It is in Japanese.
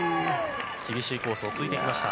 厳しいコースをついてきました。